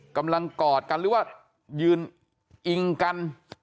กำลังกอดกันหรือว่ายืนอิงกัน